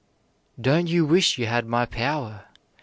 "Don't you wish you had my power?"